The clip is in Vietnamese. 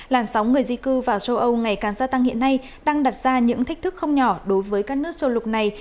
làn sóng người di cư vào châu âu ngày càng gia tăng hiện nay đang đặt ra những thách thức không nhỏ đối với các nước châu lục này